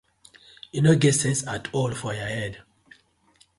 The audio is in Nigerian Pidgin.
Yu no sence atol for yah head.